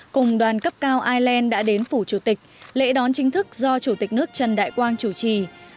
cùng đoàn cấp cao ireland đã đến phủ chủ tịch lễ đón chính thức do chủ tịch nước trần đại quang chủ trì